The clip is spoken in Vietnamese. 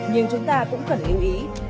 nhưng chúng ta cũng cần lưu ý